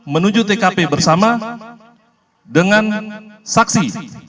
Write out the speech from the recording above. menuju tkp bersama dengan saksi